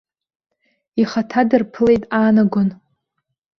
Ихаҭа дырԥылеит аанагон.